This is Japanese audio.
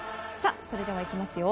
それではいきますよ。